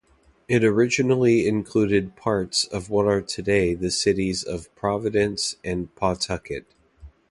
It originally included parts of what are today the cities of Providence and Pawtucket.